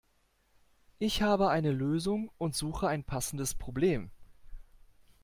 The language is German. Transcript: Ich habe eine Lösung und suche ein passendes Problem.